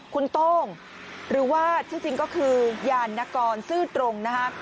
คุณโต้งหรือว่าที่สิ่งก็คือยานกรซื้อตรงนะฮะ